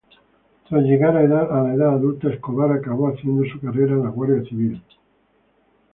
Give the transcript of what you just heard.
Tras llegar a edad adulta, Escobar acabó haciendo su carrera en la Guardia Civil.